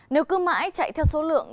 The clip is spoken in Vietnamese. nếu cứ mãi chạy theo số lượng